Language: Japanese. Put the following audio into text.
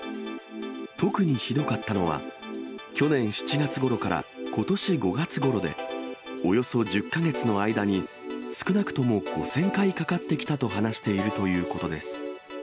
特にひどかったのは、去年７月ごろからことし５月ごろで、およそ１０か月の間に少なくとも５０００回かかってきたと話しているということです。